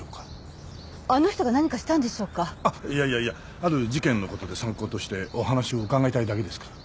ある事件の事で参考としてお話を伺いたいだけですから。